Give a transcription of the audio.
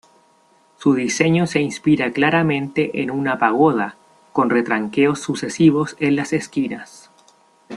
Su diseño se inspira claramente en una pagoda, con retranqueos sucesivos en las esquinas.